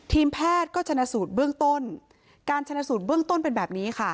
ทีมแพทย์ก็ชนะสูตรเบื้องต้นการชนะสูตรเบื้องต้นเป็นแบบนี้ค่ะ